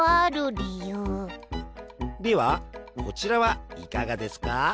ではこちらはいかがですか？